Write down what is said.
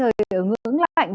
trời ở ngưỡng lạnh